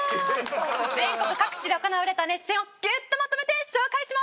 全国各地で行われた熱戦をギュッとまとめて紹介します！